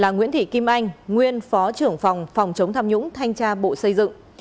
nguyễn thị kim anh nguyên phó trưởng phòng phòng chống tham nhũng thanh tra bộ xây dựng